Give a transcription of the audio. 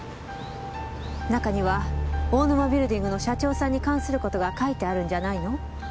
中には大沼ビルディングの社長さんに関する事が書いてあるんじゃないの？